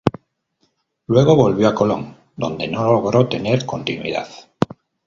Luego volvió a Colón, donde no logró tener continuidad.